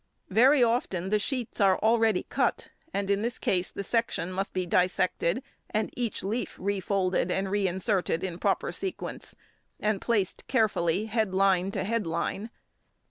Very often the sheets are already cut, and in this case the section must be dissected and each leaf refolded and reinserted in proper sequence, and placed carefully head line to head line.